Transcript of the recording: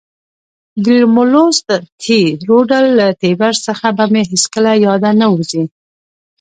د رومولوس تی رودل له تیبر څخه به مې هیڅکله له یاده ونه وزي.